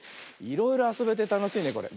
いろいろあそべてたのしいねこれ。